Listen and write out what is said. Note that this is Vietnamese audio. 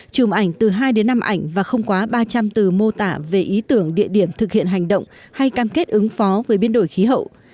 chùm ảnh từ hai đến năm ảnh và không quá ba trăm linh từ mô tả về ý tưởng địa điểm thực hiện hành động hay cam kết ứng phó với biến đổi khí hậu